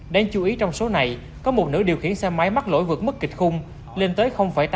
đáng chú ý trong số này có một nữ điều khiển xe máy mắc lỗi vượt mức kịch khung lên tới tám trăm một mươi tám mgm một đ khí thở